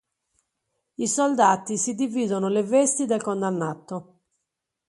I soldati si dividono le vesti del condannato.